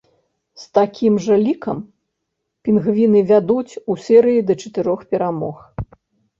З такім жа лікам пінгвіны вядуць і ў серыі да чатырох перамог.